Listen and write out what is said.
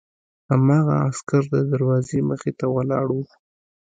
هماغه عسکر د دروازې مخې ته ولاړ و